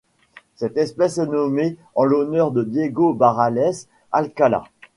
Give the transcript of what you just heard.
Cette espèce est nommée en l'honneur de Diego Barrales Alcalá.